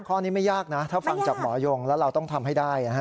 ข้อนี้ไม่ยากนะถ้าฟังจากหมอยงแล้วเราต้องทำให้ได้นะฮะ